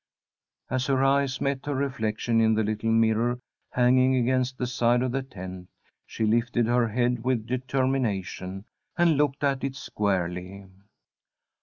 As her eyes met her reflection in the little mirror hanging against the side of the tent, she lifted her head with determination, and looked at it squarely.